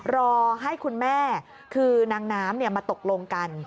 รอให้คุณแม่คือนางน้ำมาตกลงกัน